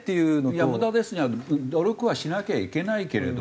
いや「無駄です」じゃない努力はしなきゃいけないけれども。